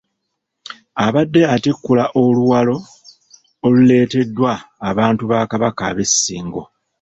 Abadde atikkula oluwalo oluleeteddwa abantu ba Kabaka ab'e Ssingo.